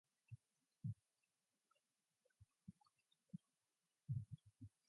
It is in the Mackworth Ward of Derby City Council.